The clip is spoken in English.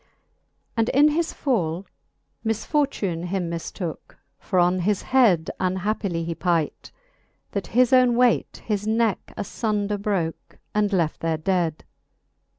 VIII. And in his fall misfortune him miflooke ; For on his head unhappily he pight, That his owne waight his necke afundeir broke, And left there dead.